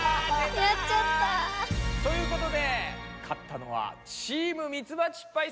やっちゃった。ということで勝ったのはチームミツバチパイセン！